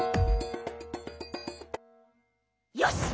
よし！